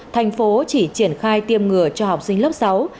thành phố chỉ triển khai tiêm ngừa cho học sinh lớp sáu